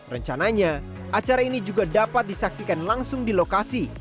rencananya acara ini juga dapat disaksikan langsung di lokasi